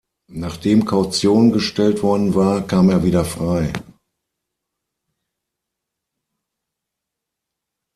Nachdem Kaution gestellt worden war, kam er wieder frei.